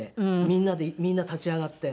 みんなでみんな立ち上がって。